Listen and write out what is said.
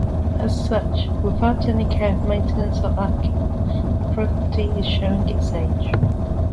As such, without any care, maintenance, or upkeep, the property is showing its age.